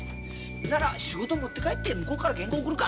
なら仕事持って帰って向こうから原稿送るか。